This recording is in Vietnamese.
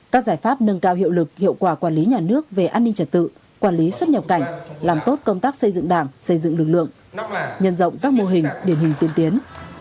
các giải pháp nâng cao hiệu lực hiệu quả quản lý nhà nước về an ninh trật tự quản lý xuất nhập cảnh làm tốt công tác xây dựng đảng xây dựng lực lượng nhân rộng các mô hình điển hình tiên tiến